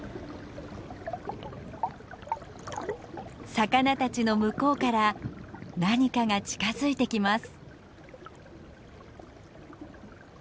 魚たちの向こうから何かが近づいてきます。